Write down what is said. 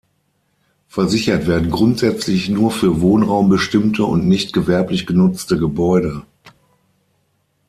Versichert werden grundsätzlich nur für Wohnraum bestimmte und nicht gewerblich genutzte Gebäude.